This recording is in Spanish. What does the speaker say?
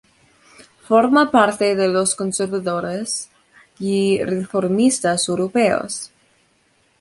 Forma parte de los Conservadores y Reformistas Europeos.